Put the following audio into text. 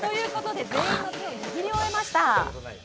全員の手を握り終えました。